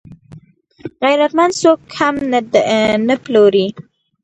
غیرتمند څوک هم نه پلوري